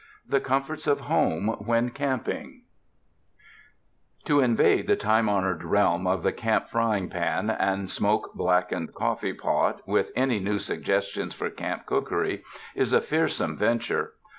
II. The Comforts of Home When Camping To invade the time honored realm of the camp frying pan and smoke blackened coffee pot with any new suggestions for camp cookery is a fearsome ven ture.